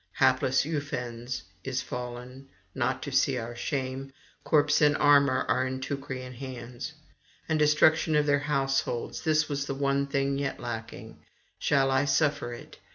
Hapless Ufens is fallen, not to see our shame; corpse and armour are in Teucrian hands. The destruction of their households, this was the one thing yet lacking; shall I suffer it?